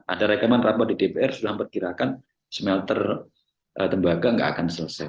ada rekaman rapor di dpr sudah memperkirakan semel ter tembaga nggak akan selesai